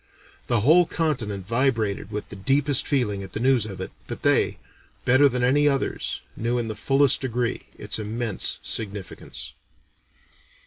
The whole continent vibrated with the deepest feeling at the news of it, but they, better than any others, knew in the fullest degree its immense significance.